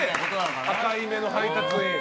赤い目の配達員。